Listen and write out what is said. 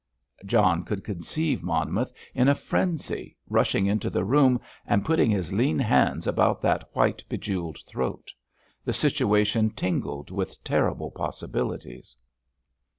John could conceive Monmouth in a frenzy, rushing into the room and putting his lean hands about that white, bejewelled throat. The situation tingled with terrible possibilities.